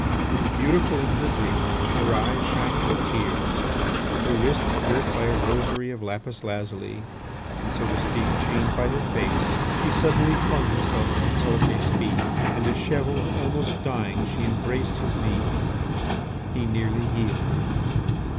Beautiful in her grief, her eyes shining with tears, her wrists girt by a rosary of lapis lazuli and, so to speak, chained by her faith, she suddenly flung herself at Hippolyte's feet, and dishevelled, almost dying, she embraced his knees. He nearly yielded.